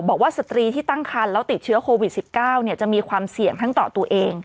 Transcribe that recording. สตรีที่ตั้งคันแล้วติดเชื้อโควิด๑๙จะมีความเสี่ยงทั้งต่อตัวเอง